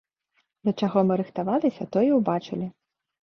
Да чаго мы рыхтаваліся, то і ўбачылі.